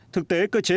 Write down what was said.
thực tế cơ chế dự án